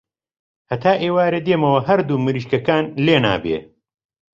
هەتا ئێوارێ دێمەوە هەردوو مریشکەکان لێنابێ.